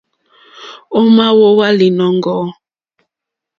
Ò ma wowa linɔ̀ŋgɔ̀?